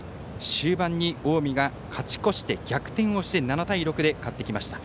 終盤に近江が勝ち越して逆転して７対６で勝ってきました。